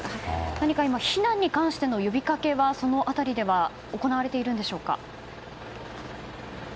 何か避難に関しての呼びかけはその辺りでは行われているんでしょうか。